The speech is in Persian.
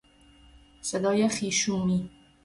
صدای خیشومی